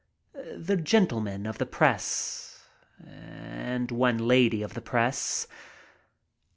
The gentlemen of the press. And one lady of the press.